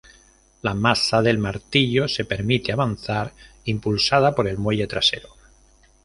La masa del martillo se permite avanzar, impulsada por el muelle trasero.